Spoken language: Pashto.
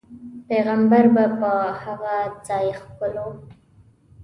پیغمبر به په هغه ځاې ښکلو.